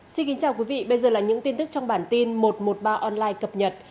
xin kính chào quý vị bây giờ là những tin tức trong bản tin một trăm một mươi ba online cập nhật